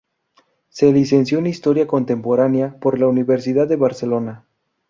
Se licenció en Historia Contemporánea por la Universidad de Barcelona.